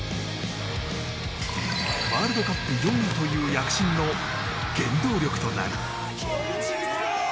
ワールドカップ４位という躍進の原動力となる。